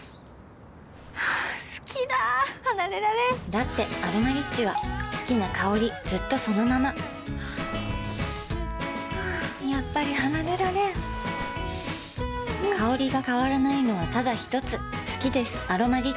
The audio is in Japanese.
好きだ離れられんだって「アロマリッチ」は好きな香りずっとそのままやっぱり離れられん香りが変わらないのはただひとつ好きです「アロマリッチ」